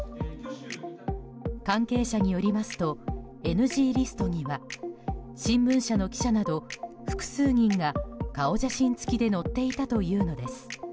関係者によりますとＮＧリストには新聞社の記者など複数人が顔写真付きで載っていたというのです。